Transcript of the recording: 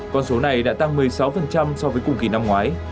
con số này đã tăng một mươi sáu so với cùng kỳ năm ngoái